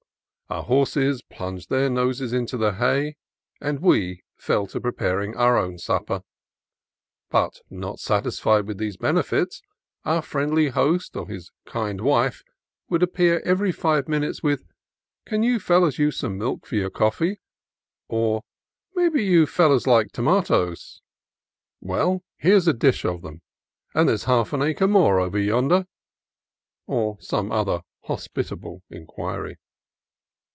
Our horses plunged their noses into the hay, and we fell to preparing our own supper. But, not satisfied with these benefits, our friendly host or his kind wife would appear every five minutes with "Can you fellers use some milk for your coffee?" or "Maybe you fellers like tomatoes? Well, here 's a dish of them, and there's half an acre more over yonder" ; or some other hospitable inquiry.